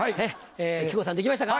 木久扇さんできましたか？